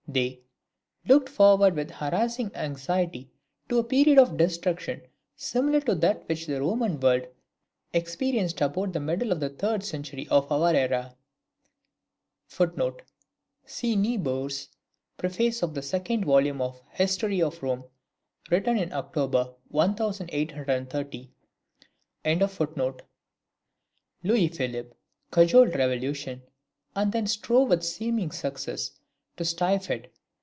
They "looked forward with harassing anxiety to a period of destruction similar to that which the Roman world experienced about the middle of the third century of our era." [See Niebuhr's Preface to the second volume of the "History of Rome," written in October 1830.] Louis Philippe cajoled revolution, and then strove with seeming success to stifle it.